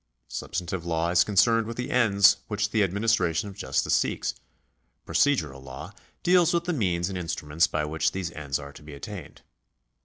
Substantive law is concerned with the ends which the administration of justice seeks ; procedural law deals with the means and instruments by which those ends are to be attained.